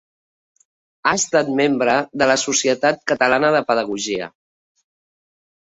Ha estat membre de la Societat Catalana de Pedagogia.